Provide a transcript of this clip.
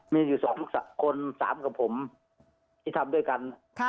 มีอยู่๒คน๓กับผมที่ทำด้วยกัน